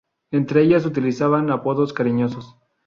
Entre ellas utilizaban apodos cariñosos.